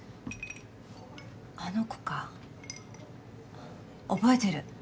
あの子か覚えてる。